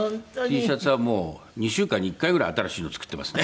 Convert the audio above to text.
Ｔシャツはもう２週間に１回ぐらいは新しいの作ってますね。